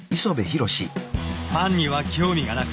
ファンには興味がなく。